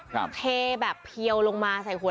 เทแบบเพียวลงมาใส่หัว